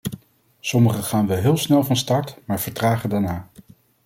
Sommige gaan wel heel snel van start, maar vertragen daarna.